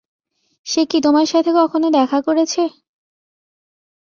সে কি তোমার সাথে কখনো দেখা করেছে?